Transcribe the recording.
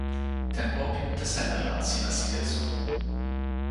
tenpo pi mute seme la sina sike e suno?